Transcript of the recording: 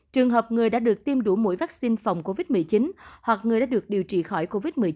trường hợp người đã được tiêm đủ mũi vaccine phòng covid một mươi chín hoặc người đã được điều trị khỏi covid một mươi chín